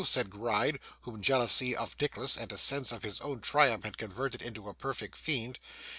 said Gride, whom jealousy of Nicholas and a sense of his own triumph had converted into a perfect fiend.